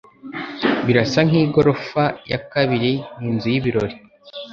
Birasa nkigorofa ya kabiri ni inzu y'ibirori.